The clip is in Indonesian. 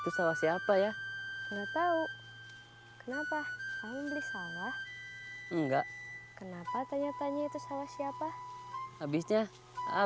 itu sawah siapa ya enggak tahu kenapa kamu beli sawah enggak kenapa tanya tanya itu sawah siapa habisnya